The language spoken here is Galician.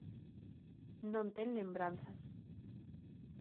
Non ten lembranzas.